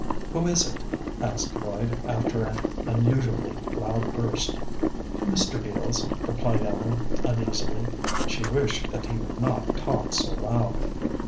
"Who is it?" asked Lloyd, after an unusually loud burst. "Mr. Beals," replied Ellen, uneasily. She wished that he would not talk so loud.